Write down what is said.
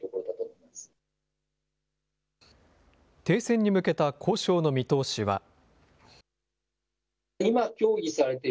停戦に向けた交渉の見通しは。